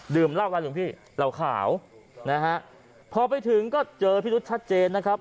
ดื่มเล่าครับหลวงพี่เล่าขาวนะฮะพอไปถึงก็เจอพิทธิ์ชัดเจนนะครับ